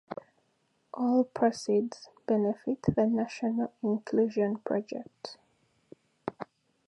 All proceeds benefit the National Inclusion Project.